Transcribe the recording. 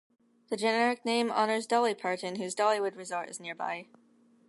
The generic name honors Dolly Parton whose Dollywood resort is nearby.